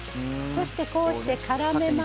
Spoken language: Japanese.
そしてこうしてからめます。